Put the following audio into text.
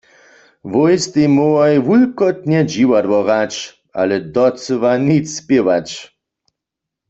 Wój stej móhłoj wulkotnje dźiwadło hrać, ale docyła nic spěwać.